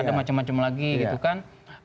ada macam macam lagi gitu kan